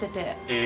え？